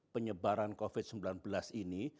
penyebaran covid sembilan belas ini